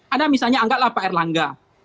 ada misalnya anggaplah pak erlangga